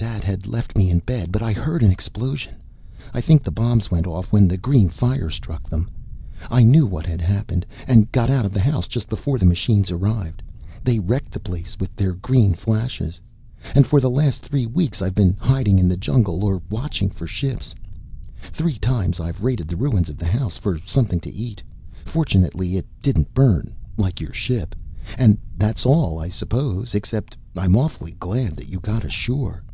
"Dad had left me in bed, but I heard an explosion. I think the bombs went off when the green fire struck them. I knew what had happened, and got out of the house just before the machines arrived. They wrecked the place with their green flashes. "And for the last three weeks I've been hiding in the jungle, or watching for ships. Three times I've raided the ruins of the house for something to eat: fortunately it didn't burn, like your ship. And that's all, I suppose except I'm awfully glad that you got ashore."